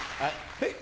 えっ？